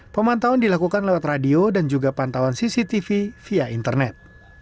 pemantauan dilakukan lewat radio dan juga pantauan cctv via internet